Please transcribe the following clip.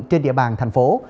trên địa bàn thành phố